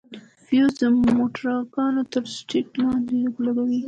فيوز د موټروان تر سيټ لاندې لگوو.